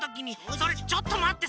それちょっとまって！